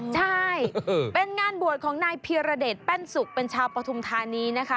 ใช่เป็นงานบวชของนายเพียรเดชแป้นสุกเป็นชาวปฐุมธานีนะคะ